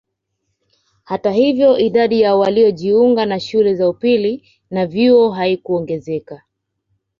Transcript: Hata hivyo idadi ya waliojiunga na shule za upili na vyuo haikuongezeka